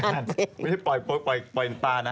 ไม่ใช่ปล่อยปล่อยปล่อยปล่ายปล่านะ